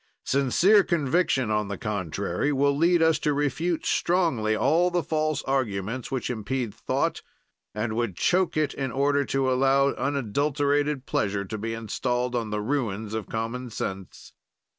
"Sincere conviction, on the contrary, will lead us to refute strongly all the false arguments, which impede thought and would choke it in order to allow unadulterated pleasure to be installed on the ruins of common sense.